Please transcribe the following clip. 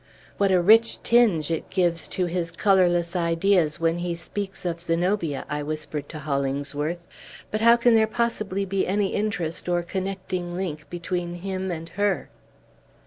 "What a rich tinge it gives to his colorless ideas, when he speaks of Zenobia!" I whispered to Hollingsworth. "But how can there possibly be any interest or connecting link between him and her?"